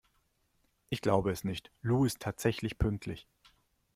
Ich glaube es nicht, Lou ist tatsächlich pünktlich!